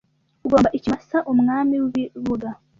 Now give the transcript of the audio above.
ugomba ikimasa umwami w ibibuga